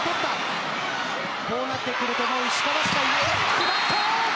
決まった。